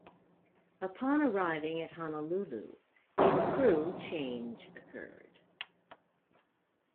Upon arriving at Honolulu, a crew change occurred.